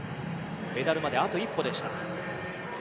メダルまであと一歩でした。